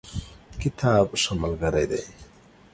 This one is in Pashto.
کتاب ښه ملګری دی.